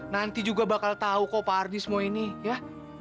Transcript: nanti juga bakal tahu kok pak ardi semua ini ya